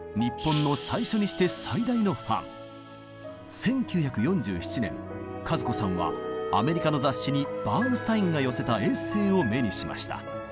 １９４７年和子さんはアメリカの雑誌にバーンスタインが寄せたエッセーを目にしました。